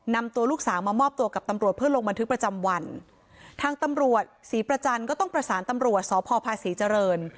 นำตัวลูกสาวมามอบตัวกับตำรวจเพื่อลงบันทึกประจำวันทางตำรวจศรีประจันทร์ก็ต้องประสานตำรวจสพภาษีเจริญ